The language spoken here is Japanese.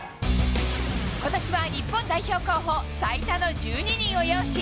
ことしは日本代表候補、最多の１２人を擁し、